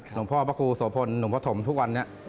หลวงพ่อพระครูโสภลหลวงพระถมน์ทุกวันเนี่ย